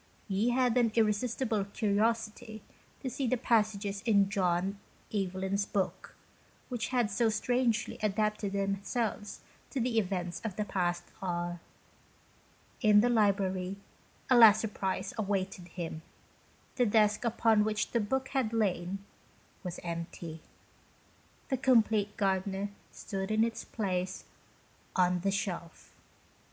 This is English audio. He had an irresistible curiosity to see the passages in John Evelyn's book which had so strangely adapted themselves to the events of the past hour. In the library a last surprise awaited him. The desk upon which the book had lain was empty. " The Compleat Gard'ner " stood in its place on the shelf.